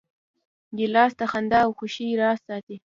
ګیلاس د خندا او خوښۍ راز ساتي.